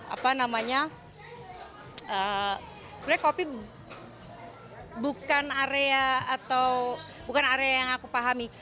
apa namanya sebenarnya kopi bukan area yang aku pahami